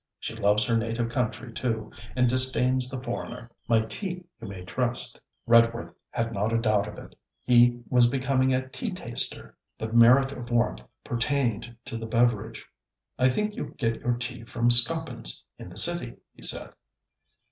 She loves her native country too, and disdains the foreigner. My tea you may trust.' Redworth had not a doubt of it. He was becoming a tea taster. The merit of warmth pertained to the beverage. 'I think you get your tea from Scoppin's, in the City,' he said.